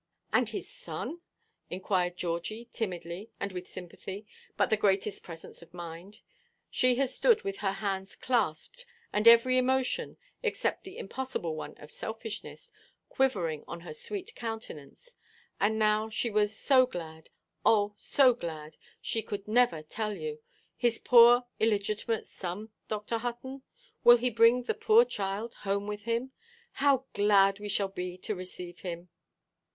"And his son?" inquired Georgie, timidly, and with sympathy, but the greatest presence of mind. She had stood with her hands clasped, and every emotion (except the impossible one of selfishness) quivering on her sweet countenance; and now she was so glad, oh, so glad, she could never tell you. "His poor illegitimate son, Dr. Hutton? Will he bring the poor child home with him? How glad we shall be to receive him!"